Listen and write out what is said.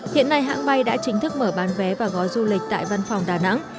hiện nay hãng bay đã chính thức mở bán vé và gói du lịch tại văn phòng đà nẵng